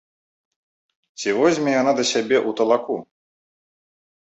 Ці возьме яна да сябе ў талаку?